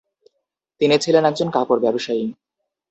তিনি ছিলেন একজন কাপড় ব্যবসায়ী।